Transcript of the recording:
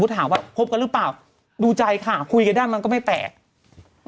แต่คือไม่เข้าใจว่าจะเล่นละครซ้อนละครเพื่อ